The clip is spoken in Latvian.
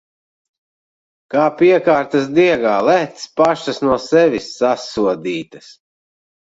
Kā piekārtas diegā... Lec pašas no sevis! Sasodītas!